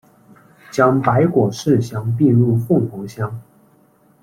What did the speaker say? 将白果市乡并入凤凰乡。